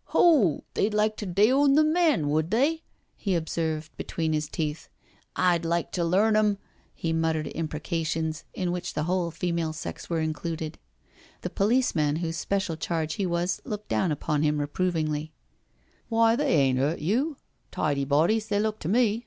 " Ho, they'd like to deawn the men, would they I " he observed between his teeth. '' I'd like to learn 'em ..." He muttered imprecations in which the whole female sex were included. The policeman whose special charge he was looked down upon him reprovingly. •* Why, they ain't 'urt you — tidy bodies they look to me."